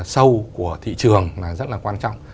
sâu của thị trường là rất là quan trọng